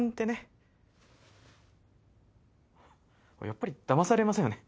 やっぱりだまされませんよね。